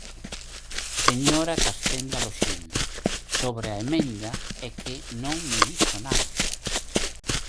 Señora Castenda Loxilde, sobre a emenda é que non me dixo nada.